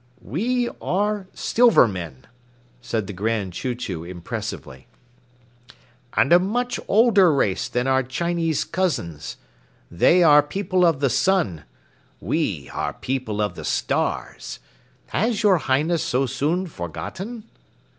"We are Silvermen," said the Grand Chew Chew impressively, "and a much older race than our Chinese cousins. They are people of the sun. We are people of the stars. Has your Highness so soon forgotten?"